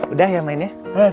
udah ya mainnya